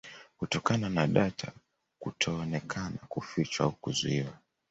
Kutokana na data kutoonekana kufichwa au kuzuiwa